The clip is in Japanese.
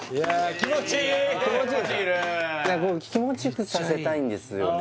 気持ちよくさせたいんですよね